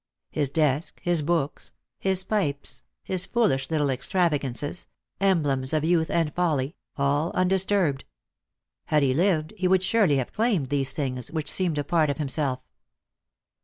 His desk, 202 Lusi jor l^ove. his books, his pipes, his foolish little extravagances — emblems of youth and folly— all undisturbed. Had he lived, he would surely have claimed these things, which seemed a part of him self.